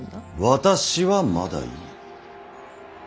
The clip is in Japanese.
私はまだいい。